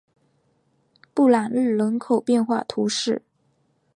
布朗日人口变化图示